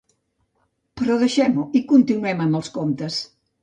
Però, deixem-ho, i continuem amb els comptes.